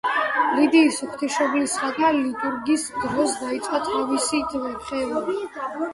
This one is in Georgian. ლიდიის ღვთისმშობლის ხატმა ლიტურგიის დროს დაიწყო თავისით რხევა.